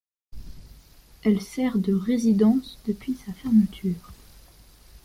Elle sert de résidence depuis sa fermeture.